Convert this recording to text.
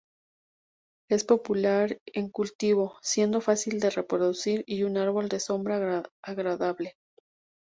Es popular en cultivo, siendo fácil de reproducir y un árbol de sombra agradable.